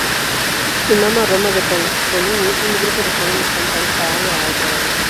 En "Mamma Roma" de Pasolini, un grupo de jóvenes canta esta aria a Ettore.